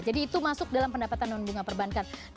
itu masuk dalam pendapatan non bunga perbankan